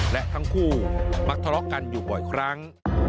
และทั้งคู่มักทะเลาะกันอยู่บ่อยครั้ง